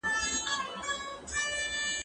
زه اوس د کتابتون د کار مرسته کوم!؟